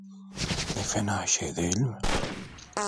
Ne fena şey değil mi?